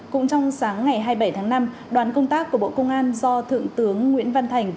cũng trong sáng ngày hai mươi bảy tháng năm đoàn công tác của bộ công an do thượng tướng nguyễn văn thành